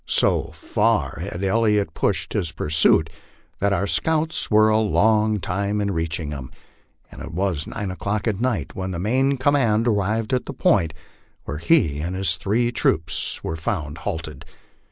So far had Elliot pushed his pursuit that our scouts were a long time in reaching him, and it was nine o'clock at night when the main command arrived at the point where he and his three troops were found halted.